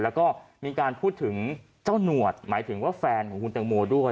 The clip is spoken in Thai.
แล้วก็มีการพูดถึงเจ้าหนวดหมายถึงว่าแฟนของคุณตังโมด้วย